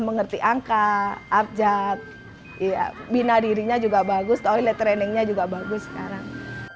mengerti angka abjad ya bina dirinya juga bagus toilet training nya juga bagus sekarang